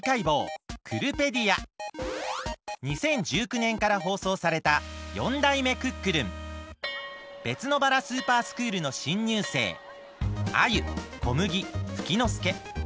２０１９年から放送されたべつのばらスーパースクールのしんにゅうせいアユコムギフキノスケ。